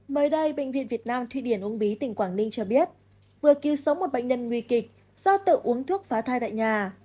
mới đây bệnh viện việt nam thụy điển úng bí tỉnh quảng ninh cho biết vừa cứu sống một bệnh nhân nguy kịch do tự uống thuốc phá thai tại nhà